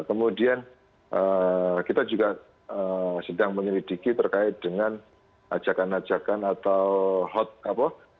kemudian kita juga sedang menyelidiki terkait dengan ajakan ajakan atau hot apa